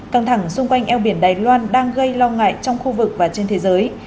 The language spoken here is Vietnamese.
căng thẳng xung quanh eo biển đài loan đang gây lo ngại trong khu vực và trên thế giới